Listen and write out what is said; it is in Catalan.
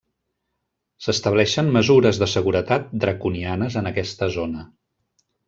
S'estableixen mesures de seguretat draconianes en aquesta zona.